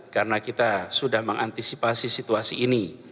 karena kita sudah mengantisipasi situasi ini